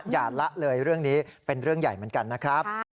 ละเลยเรื่องนี้เป็นเรื่องใหญ่เหมือนกันนะครับ